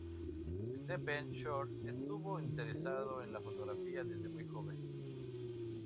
Stephen Shore estuvo interesado en la fotografía desde muy joven.